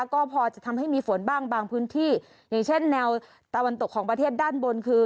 ก็พอจะทำให้มีฝนบ้างบางพื้นที่อย่างเช่นแนวตะวันตกของประเทศด้านบนคือ